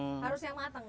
harus yang matang